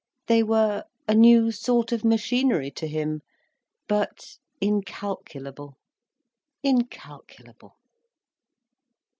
They were a new sort of machinery to him—but incalculable, incalculable.